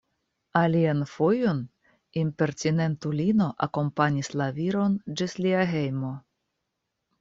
Alian fojon impertinentulino akompanis la viron ĝis lia hejmo.